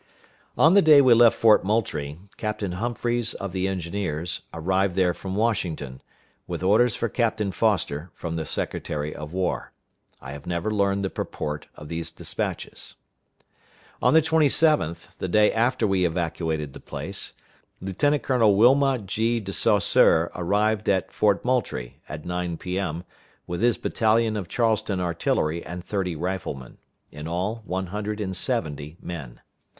On the day we left Fort Moultrie, Captain Humphreys, of the engineers, arrived there from Washington, with orders for Captain Foster from the Secretary of War. I have never learned the purport of these dispatches. On the 27th, the day after we evacuated the place, Lieutenant colonel Wilmot G. De Saussure arrived at Fort Moultrie, at 9 P.M., with his battalion of Charleston artillery and thirty riflemen; in all, one hundred and seventy men.